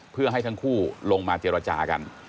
เพื่อให้ทั้งคู่ลงมาเจรจากัน